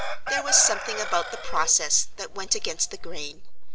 There was something about the process that went against the grain.